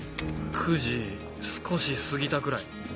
９時少し過ぎたくらい。